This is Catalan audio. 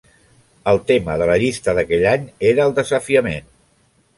El tema de la llista d'aquell any era el desafiament.